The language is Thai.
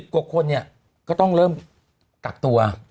๑๐กว่าคนก็ต้องเริ่มตัดตัว